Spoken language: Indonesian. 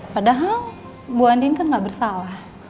padahal bu andien kan gak bersalah